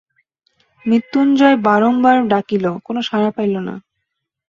মৃত্যুঞ্জয় বারম্বার ডাকিল, কোনো সাড়া পাইল না।